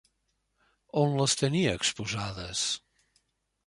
On les tenia exposades?